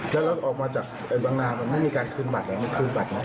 แล้วออกมาจากบางนามันไม่มีการคืนบัตรเหรอมันคืนบัตรไหม